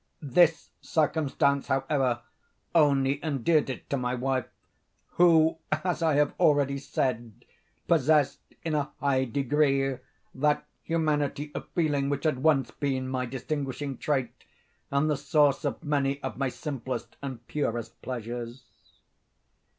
This circumstance, however, only endeared it to my wife, who, as I have already said, possessed, in a high degree, that humanity of feeling which had once been my distinguishing trait, and the source of many of my simplest and purest pleasures.